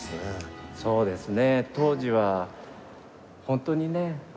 そうですね。